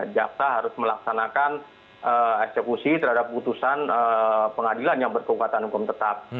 jaksa harus melaksanakan eksekusi terhadap putusan pengadilan yang berkekuatan hukum tetap